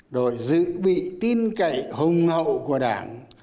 đội dự bị tin cậy hùng hậu của đảng